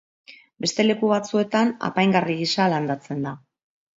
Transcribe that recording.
Beste leku batzuetan apaingarri gisa landatzen da.